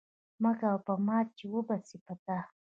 مه کوه په ما، چي وبه سي په تا